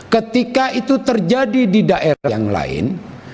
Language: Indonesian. ketika itu terjadi di daerah yang lain